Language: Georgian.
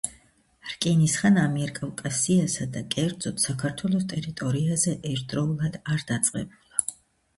რკინის ხანა ამიერკავკასიასა და, კერძოდ, საქართველოს ტერიტორიაზე ერთდროულად არ დაწყებულა.